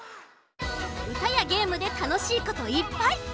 うたやゲームでたのしいこといっぱい！